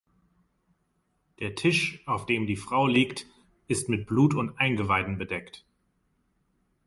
Der Tisch, auf dem die Frau liegt, ist mit Blut und Eingeweiden bedeckt.